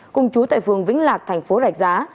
cùng chú tại phường vĩnh lạc thành phố rạch giá